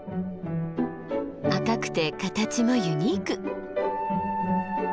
赤くて形もユニーク！